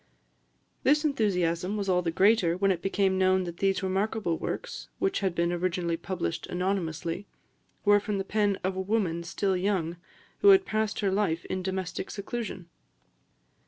This enthusiasm was all the greater, when it became known that these remarkable works, which had been originally published anonymously, were from the pen of a woman still young, who had passed her life in domestic seclusion."